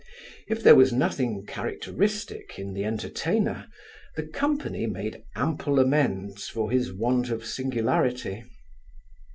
If there was nothing characteristic in the entertainer, the company made ample amends for his want of singularity.